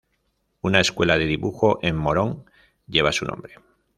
Una escuela de dibujo en Morón, lleva su nombre.